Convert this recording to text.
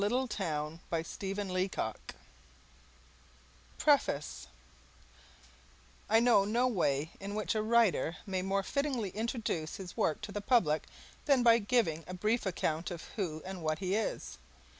The Train to Mariposa Preface I know no way in which a writer may more fittingly introduce his work to the public than by giving a brief account of who and what he is.